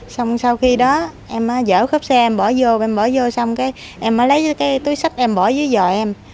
xong sau khi đó em dỡ khớp xe em bỏ vô em bỏ vô xong em mới lấy túi sách em bỏ dưới dò em